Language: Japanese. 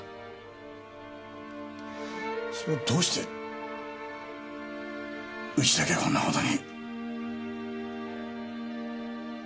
それがどうしてうちだけこんな事に。